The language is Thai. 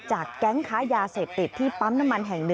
แก๊งค้ายาเสพติดที่ปั๊มน้ำมันแห่ง๑